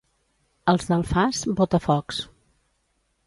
Els d'Alfàs, botafocs.